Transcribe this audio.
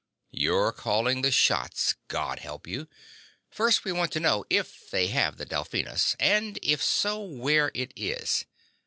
You're calling the shots, God help you! First, we want to know if they have the Delphinus ... and if so, where it is.